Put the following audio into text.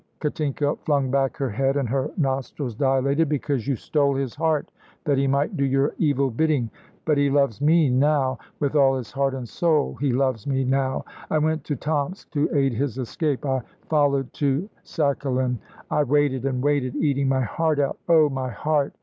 Katinka flung back her head and her nostrils dilated. "Because you stole his heart that he might do your evil bidding. But he loves me now with all his heart and soul he loves me now. I went to Tomsk to aid his escape; I followed to Sakhalin. I waited and waited, eating my heart out. Oh, my heart!"